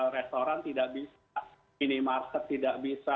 restoran tidak bisa minimarket tidak bisa